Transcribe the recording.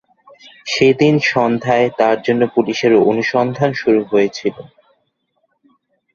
সেদিন সন্ধ্যায় তার জন্য পুলিশের অনুসন্ধান শুরু হয়েছিল।